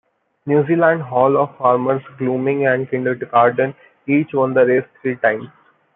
New Zealand hall of famers Gloaming and Kindergarten each won the race three times.